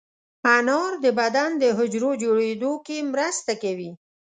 انار د بدن د حجرو جوړېدو کې مرسته کوي.